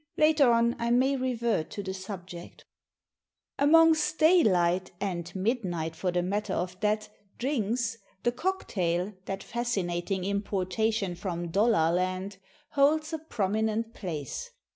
Later on I may revert to the subject. Amongst daylight (and midnight, for the matter of that) drinks, the COCKTAIL, that fascinating importation from Dollarland, holds a prominent place.